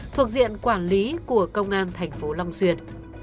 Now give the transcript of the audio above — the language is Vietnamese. thuộc diện quản lý của công an thành phố long xuyên